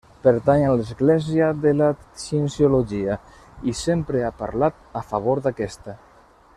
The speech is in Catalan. Pertany a l'Església de la Cienciologia i sempre ha parlat a favor d'aquesta.